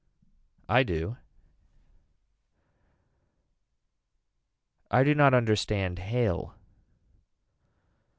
I do. I do not understand hail.